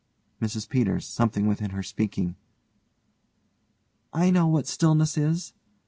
MRS PETERS: (something within her speaking) I know what stillness is.